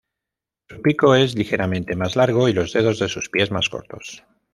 Su pico es ligeramente más largo y los dedos de sus pies más cortos.